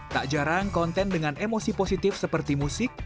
tak jarang konten dengan emosi positif seperti musik